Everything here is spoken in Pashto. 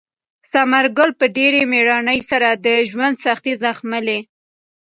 ثمر ګل په ډېرې مېړانې سره د ژوند سختۍ زغملې.